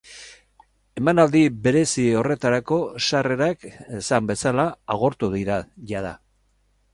Emanaldi berezi horretarako sarrerak, esan bezala, agortu dira jada.